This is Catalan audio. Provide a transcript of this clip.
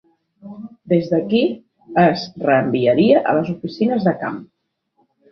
Des d'aquí, es reenviaria a les oficines de camp.